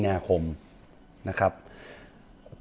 ท่านก็ไม่สามารถ